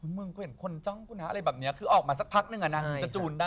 มึงก็เห็นคนจ้องกูนะอะไรแบบนี้คือออกมาสักพักนึงอะนางจะจูนได้